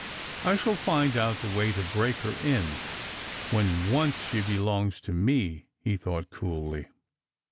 " I shall find out the way to break her in when once she be longs to me," he thought coolly.